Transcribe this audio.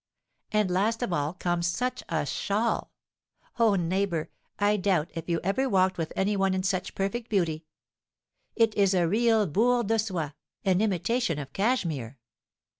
And last of all comes such a shawl! Oh, neighbour, I doubt if you ever walked with any one in such perfect beauty; it is a real bourre de soie, in imitation of cashmere.